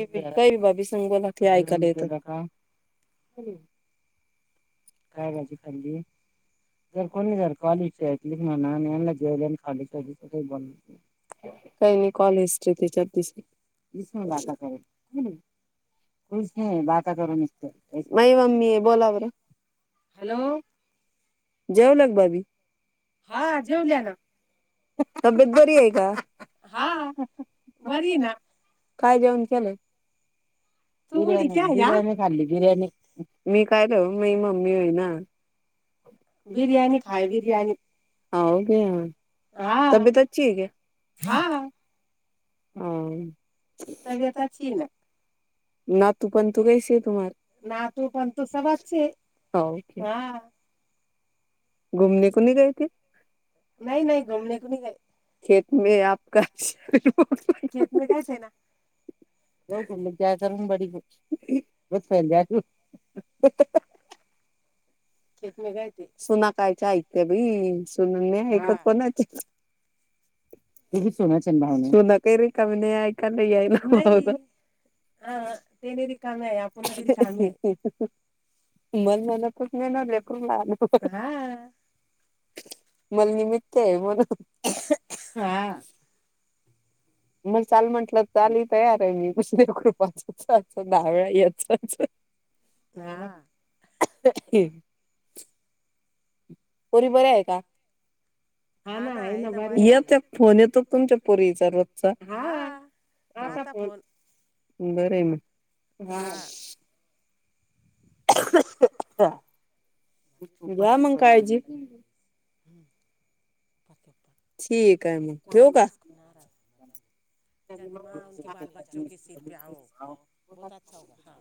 काही बाबी संगोला ते ऐकाला येत बाबा काय भाजी खाल्ली? जर कोणी जर कॉल इचलावल्याॉलोल [inaudible] काही नाही कॉल हिस्ट्री त्याच्यात दिस इस बात हो नाही मम्मी बोला बरं हॅलो जेवला काय भाभी हा जेवल्या ना. हा बरी ना, काय जेऊन केलं बिर्याणी खाल्ली बिर्याणी मी काय मी मम्मी होईना बिर्याणी खाय बिर्याणी हग तबीेत अच्छ ह का [inaudible] ह [unintelligible] [unintelligible] [unintelligible] नही नही घुमने नही गयी, खेंत में आपका [unintelligible] खेंत मैं गये थे ना. [unintelligible] ह ह ह एकमे य सुनाकायच्या ऐक ते बई सुनून ऐकत कोणा सुनायच भाऊने [inaudible] त न कारी कमी नाहीय काला म हा ह तेरी काण आहे आपण मला मलातच नाही नायपूरला आल [inaudible] मल निमित्त ए [unintelligible] हा अ. मग चाल म्हटलं, चाल तयार आहे. मी [unintelligible] [unintelligible] दहावेळा या च च [unintelligible] पोरी बय्रा आहे का? हा, ना आहे ना भारी येतयं फोन येतो, तुमच्या पोरीचा रोजचा हा. आता फोन बरं ये म हा [unintelligible] [unintelligible] घ्या मंग काळजी. हम्म! [unintelligible] चांदी [unintelligible] उनके बाल बच्चों के सिर पर आवो बहोत अच्छा होगा!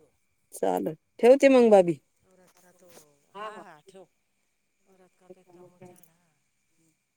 [unintelligible] ठेवते मग भाभी. [unintelligible] हा हा ठेव. [unintelligible]